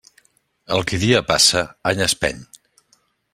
El qui dia passa, any espeny.